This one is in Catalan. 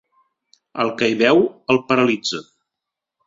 El que hi veu el paralitza.